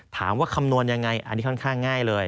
คำนวณยังไงอันนี้ค่อนข้างง่ายเลย